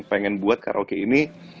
pengen buat karoke ini